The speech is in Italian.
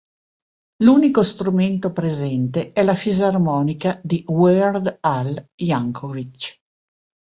L'unico strumento presente è la fisarmonica di "Weird Al" Yankovic.